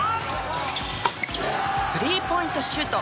スリーポイントシュート！